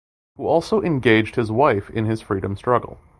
Who also engaged his wife in his freedom struggle.